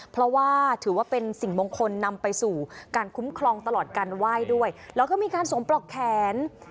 เพราะว่าถือว่าเป็นสิ่งมงคลนำไปสู่การคุ้มครองตลอดการไหว้ด้วยแล้วก็มีการสวมปลอกแขน